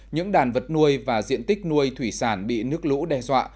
những đàn vật nuôi và diện tích nuôi thủy sản bị nước lũ đe dọa